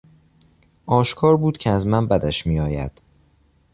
آشکار بود که از من بدش میآید.